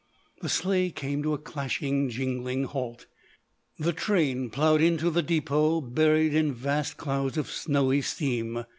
The sleigh came to a clashing, jingling halt; the train plowed into the depot buried in vast clouds of snowy steam.